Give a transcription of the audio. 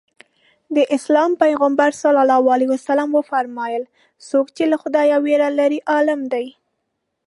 د اسلام پیغمبر ص وفرمایل څوک چې له خدایه وېره لري عالم دی.